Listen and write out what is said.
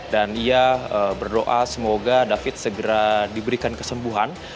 dan ia berdoa semoga david segera diberikan kesembuhan